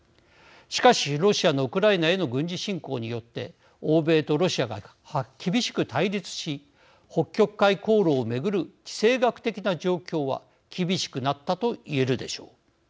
しかしロシアのウクライナへの軍事侵攻によって欧米とロシアが厳しく対立し北極海航路を巡る地政学的な状況は厳しくなったと言えるでしょう。